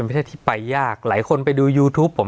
สวัสดีครับทุกผู้ชม